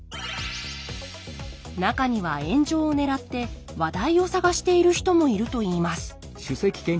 中には炎上をねらって話題を探している人もいるといいます